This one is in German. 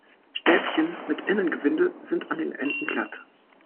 Stäbchen mit Innengewinde sind an den Enden glatt.